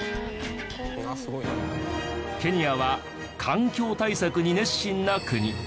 ケニアは環境対策に熱心な国。